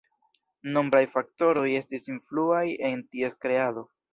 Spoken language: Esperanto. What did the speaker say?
Nombraj faktoroj estis influaj en ties kreado.